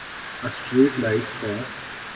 street lights خوا